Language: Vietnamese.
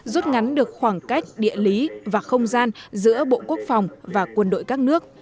rút ngắn được khoảng cách địa lý và không gian giữa bộ quốc phòng và quân đội các nước